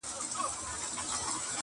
سړي راوستی ښکاري تر خپله کوره.